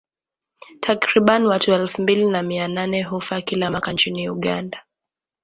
Takriban watu elfu mbili na mia nane hufa kila mwaka nchini Uganda